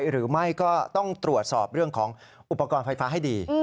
หรือไม่ก็ต้องตรวจสอบเรื่องของอุปกรณ์ไฟฟ้าให้ดี